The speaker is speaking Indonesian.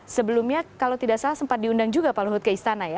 sebelumnya kalau tidak salah sempat diundang juga pak luhut ke istana ya